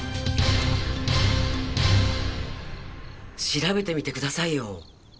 調べてみてくださいよ